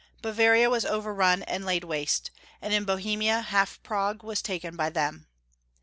Bava ria was overrun and laid waste, and in Bohemia, half Prague was taken by them.